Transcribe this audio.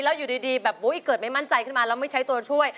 แล้วอยู่ดีแบบอุ๊ยเกิดไม่มั่นใจขึ้นมาแล้วไม่ใช้ตัวช่วย